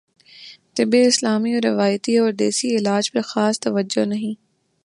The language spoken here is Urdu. طب اسلامی اور روایتی اور دیسی علاج پرخاص توجہ نہیں